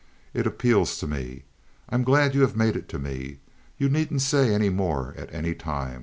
It appeals to me. I'm glad you have made it to me. You needn't say any more at any time.